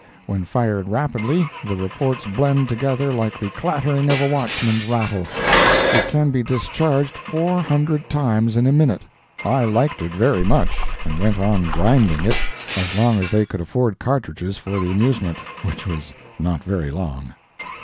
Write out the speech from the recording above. When fired rapidly, the reports blend together like the clattering of a watchman's rattle. It can be discharged four hundred times in a minute! I liked it very much, and went on grinding it as long as they could afford cartridges for the amusement—which was not very long.